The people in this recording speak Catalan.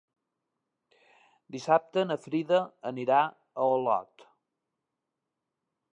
Dissabte na Frida anirà a Olot.